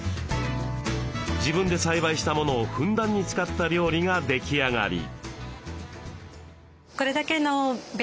自分で栽培したものをふんだんに使った料理が出来上がり。